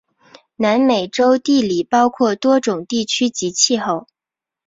南美洲地理包括多种地区及气候。